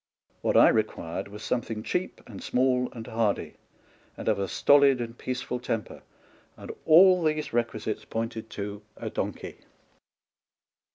AVhat I required was something cheap and small and hardy and of a stolid and peaceful temper ; and all these requisites pointed to a donkey.